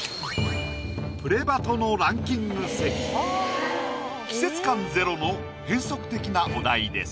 「プレバト‼」の季節感ゼロの変則的なお題です。